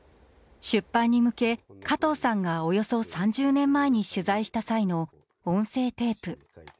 出版に向け加藤さんがおよそ３０年前に取材した際の音声テープ。